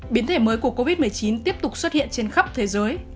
biến thể mới của covid một mươi chín tiếp tục xuất hiện trên khắp thế giới